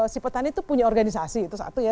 si petani itu punya organisasi itu satu ya